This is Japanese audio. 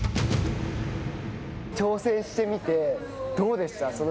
挑戦してみてどうでした？